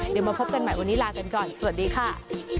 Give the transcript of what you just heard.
เดี๋ยวมาพบกันใหม่วันนี้ลากันก่อนสวัสดีค่ะ